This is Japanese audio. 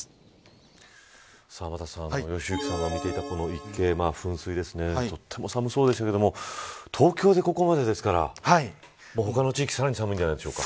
天達さん、良幸さんも見ていた池、噴水ですねとても寒そうでしたけど東京で、ここまで、ですから他の地域寒いんじゃないでしょうか。